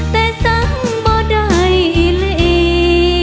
แต่สังบ่ได้เล